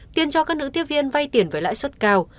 tiên cho các nữ tiếp viên vay tiền với lãi suất cao